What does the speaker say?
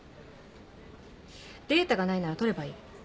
データがないなら取ればいい。